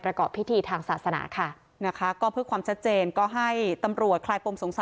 ประกอบพิธีทางศาสนาค่ะ